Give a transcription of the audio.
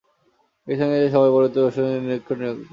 একই সঙ্গে এ সভায় পরবর্তী বছরের জন্য নিরীক্ষক নিয়োগ করা হয়।